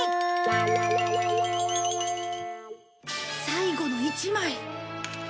最後の一枚！